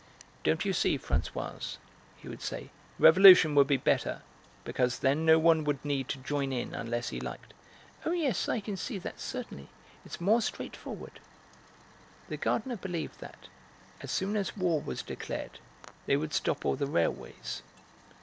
"Don't you see, Françoise," he would say. "Revolution would be better, because then no one would need to join in unless he liked." "Oh, yes, I can see that, certainly; it's more straightforward." The gardener believed that, as soon as war was declared, they would stop all the railways.